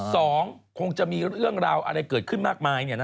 สองคงจะมีเรื่องราวอะไรเกิดขึ้นมากมาย